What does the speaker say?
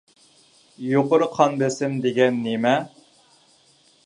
يۇقىرى قان بېسىم دېگەن نېمە؟